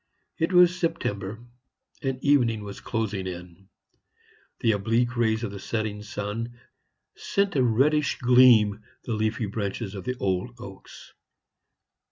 It was September, and evening was closing in. The oblique rays of the setting sun sent a reddish gleam the leafy branches of the old oaks.